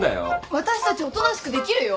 私たちおとなしくできるよ。